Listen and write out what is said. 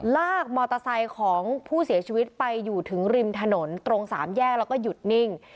ลากมอเตอร์ไซค์ของผู้เสียชีวิตไปอยู่ถึงริมถนนตรงสามแยกแล้วก็หยุดนิ่ง